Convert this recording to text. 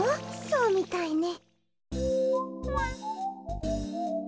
そうみたいね。